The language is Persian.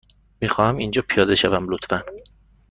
می خواهم اینجا پیاده شوم، لطفا.